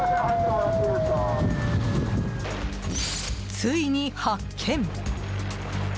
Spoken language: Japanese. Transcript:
ついに発見。